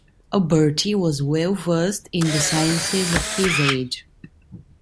Alberti was well-versed in the sciences of his age.